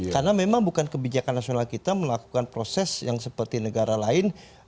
karena memang bukan kebijakan nasional kita melakukan proses yang seperti negara lain